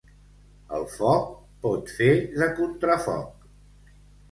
El foc pot fer de contrafoc.